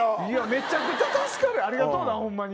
めちゃくちゃ助かるありがとうなホンマに。